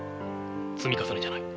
積み重ねじゃない。